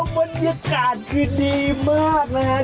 บรรยากาศคือดีมากนะฮะ